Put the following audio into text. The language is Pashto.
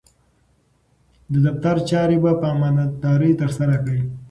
د دفتر چارې په امانتدارۍ ترسره کړئ.